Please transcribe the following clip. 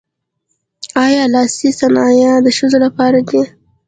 آیا لاسي صنایع د ښځو لپاره دي؟